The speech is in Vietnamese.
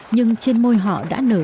nhưng trên môi họ đã nở